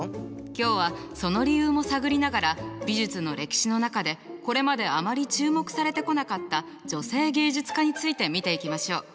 今日はその理由も探りながら美術の歴史の中でこれまであまり注目されてこなかった女性芸術家について見ていきましょう。